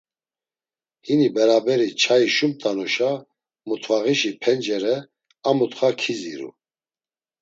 Hini baraberi çayi şumt̆anuşa mut̆vağişi pencere a mutxa kiziru.